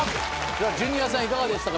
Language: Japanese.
ジュニアさんいかがでしたか？